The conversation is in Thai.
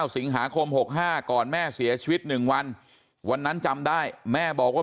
สิงหาคม๖๕ก่อนแม่เสียชีวิต๑วันวันนั้นจำได้แม่บอกว่า